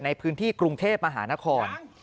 ในพื้นที่กรุงเทพมหานคร